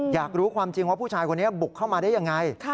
อยากรู้ความจริงว่าผู้ชายคนนี้บุกเข้ามาได้ยังไง